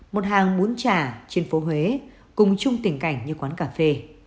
một hàng muỗng trà trên phố huế cùng chung tình cảnh như quán cà phê